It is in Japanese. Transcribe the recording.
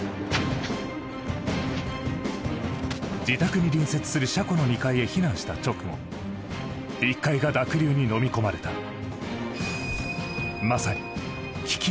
自宅に隣接する車庫の２階へ避難した直後１階が濁流にのみ込まれた。